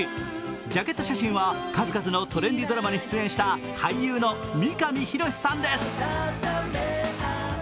ジャケット写真は数々のトレンディードラマに出演した俳優の三上博史さんです。